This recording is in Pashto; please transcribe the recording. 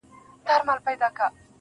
که مي د دې وطن له کاڼي هم کالي څنډلي.